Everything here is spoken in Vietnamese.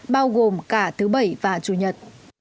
bao gồm cả thứ bảy và chủ nhật